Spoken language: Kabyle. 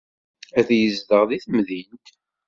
Ad yezdeɣ deg temdint.